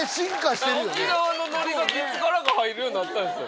沖縄のノリがいつからか入るようになったんですよ。